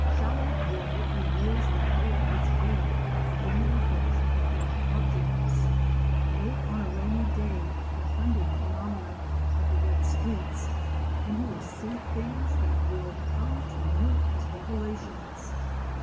Shallow water reveals the colour of its bed within the reflection of .dark objects. Note on a rainy day the hundred phenomena of the wet streets, and you will see things that will come to you as revelations.